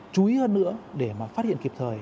chú ý hơn nữa để phát hiện kịp thời